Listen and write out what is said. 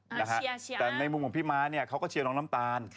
แต่เชียร์แต่ในมุมของพี่ม้าเนี่ยเขาก็เชียร์น้องน้ำตาล